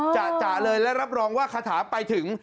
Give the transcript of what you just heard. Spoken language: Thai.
จะเลยและรับรองว่าคาถาไปถึง